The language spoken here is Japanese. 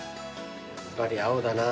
やっぱり青だな。